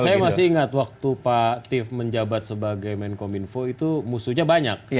saya masih ingat waktu pak tief menjabat sebagai menkominfo itu musuhnya banyak